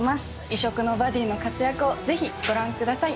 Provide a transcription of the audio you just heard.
異色のバディの活躍をぜひご覧ください。